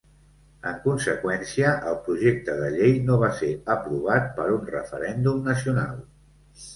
En conseqüència, el projecte de llei no va ser aprovat per un referèndum nacional.